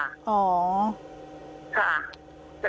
ตอนทำให้ห้องน้ำค่ะ